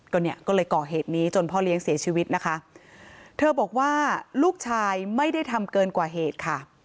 ก็เนี่ยก็เลยก่อเหตุนี้จนพ่อเลี้ยงเสียชีวิตนะคะเธอบอกว่าลูกชายไม่ได้ทำเกินกว่าเหตุค่ะ